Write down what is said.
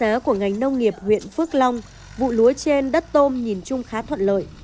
nhớ của ngành nông nghiệp huyện phước long vụ lúa trên đất tôm nhìn chung khá thuận lợi